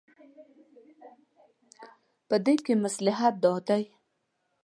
په دې کې مصلحت دا دی.